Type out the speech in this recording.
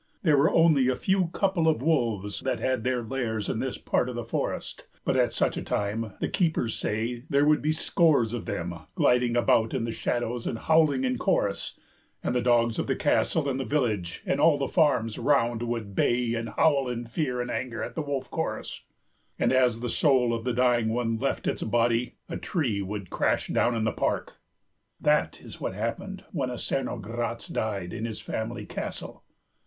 There were only a few couple of wolves that had their lairs in this part of the forest, but at such a time the keepers say there would be scores of them, gliding about in the shadows and howling in chorus, and the dogs of the castle and the village and all the farms round would bay and howl in fear and anger at the wolf chorus, and as the soul of the dying one left its body a tree would crash down in the park. That is what happened when a Cernogratz died in his family castle.